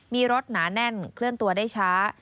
มีรถหนาแน่นเคลื่อนตัวได้ช้า